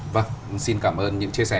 vâng xin cảm ơn những chia sẻ